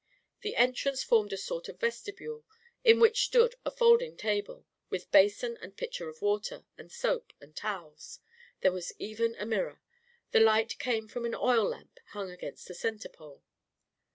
The entrance formed a sort of vesti bule, in which stood a folding table, with basin and pitcher of water, and soap and towels. There was even a mirror. The light came from an oil lamp, hung against the centre pole.